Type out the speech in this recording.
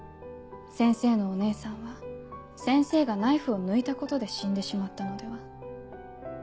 先生のお姉さんは先生がナイフを抜いたことで死んでしまったのでは？